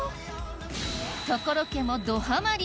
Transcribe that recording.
所家もどハマり！